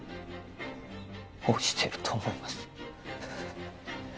押してると思います